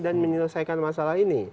dan menyelesaikan masalah ini